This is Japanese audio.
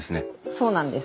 そうなんです。